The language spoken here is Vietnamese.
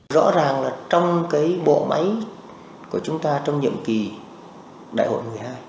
rõ ràng là trong cái bộ máy của chúng ta trong nhiệm kỳ đại hội một mươi hai